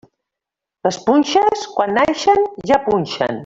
Les punxes, quan naixen, ja punxen.